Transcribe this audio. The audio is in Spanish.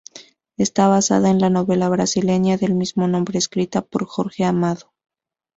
Está basada en la novela brasileña del mismo nombre escrita por Jorge Amado.